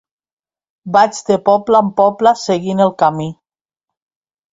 Vaig de poble en poble, seguint el camí.